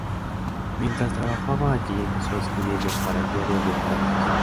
Mientras trabajaba allí empezó escribiendo para "El Diario de Caracas".